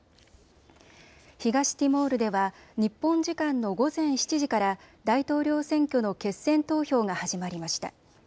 東ティモールでは日本時間の午前７時から大統領選挙の決選投票が始まりました。